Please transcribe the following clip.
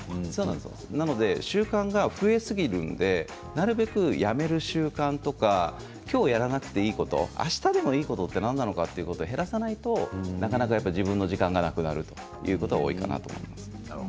習慣が増えすぎるので、なるべくやめる習慣とかきょうやらなくていいことあしたでもいいことは何なのかと減らさないとなかなか自分の時間がなくなるということが多いかなと思います。